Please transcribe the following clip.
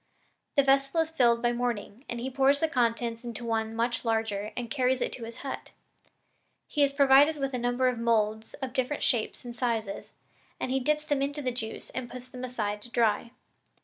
The vessel is filled by morning, and he pours the contents into one much larger and carries it to his hut. He is provided with a number of moulds of different shapes and sizes, and he dips them into the juice and puts them aside to dry.